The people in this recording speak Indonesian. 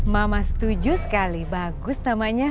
mama setuju sekali bagus namanya